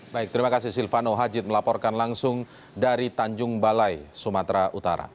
baik terima kasih silvano hajid melaporkan langsung dari tanjung balai sumatera utara